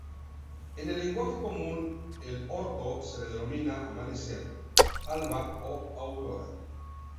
En el lenguaje común, al orto se le denomina amanecer, alba o aurora.